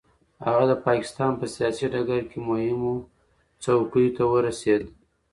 هغه د پاکستان په سیاسي ډګر کې مهمو څوکیو ته ورسېد.